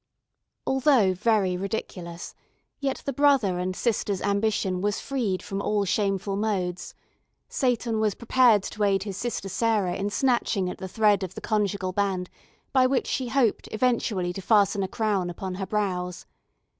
Although very ridiculous, yet the brother and sister's ambition was freed from all shameful modes; Seyton was prepared to aid his sister Sarah in snatching at the thread of the conjugal band by which she hoped eventually to fasten a crown upon her brows.